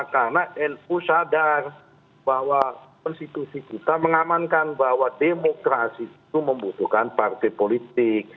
karena nu sadar bahwa konstitusi kita mengamankan bahwa demokrasi itu membutuhkan partai politik